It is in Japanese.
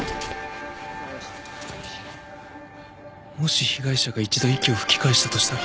もし被害者が一度息を吹き返したとしたら。